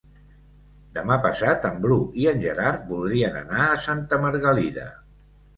Demà passat en Bru i en Gerard voldrien anar a Santa Margalida.